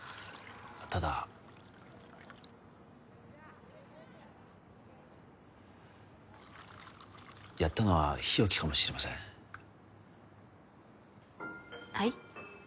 ただやったのは日沖かもしれませんはい？